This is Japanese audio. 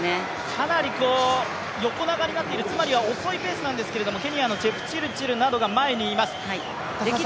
かなり横長になっている、つまりは遅いペースなんですけれどもケニアのチェプチルチルなどが前にいます。